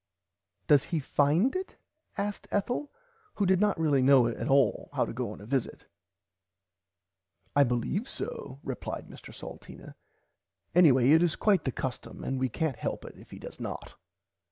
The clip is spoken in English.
Does he find it asked Ethel who did not really know at all how to go on at a visit. I beleeve so replied Mr Salteena anyhow it is quite the custom and we cant help it if he does not.